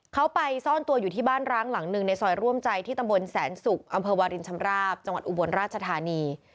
เขาไปซ่อนตัวอยู่ที่บ้านร้างหลังหนึ่งในซอยร่วมใจที่ตำบลแสนศุกร์อำเภอวารินชำราบจังหวัดอุบลราชธานี